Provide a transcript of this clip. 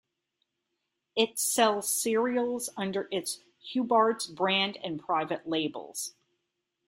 It sells cereals under its Hubbards brand and private labels.